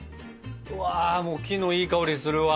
うわもう木のいい香りするわ！